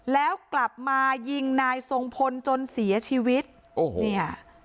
แล้วกลับมายิงนายทรงพลจนเสียชีวิตโอ้โหเนี่ย